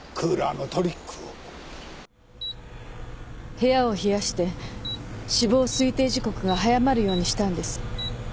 部屋を冷やして死亡推定時刻が早まるようにしたんです。